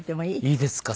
いいですか？